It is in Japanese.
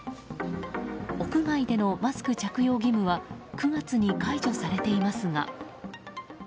屋外でのマスク着用義務は９月に解除されていますが。